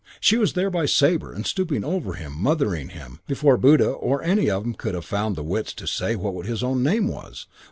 She was there by Sabre and stooping over him, mothering him, before Buddha or any of 'em could have found the wits to say what his own name was.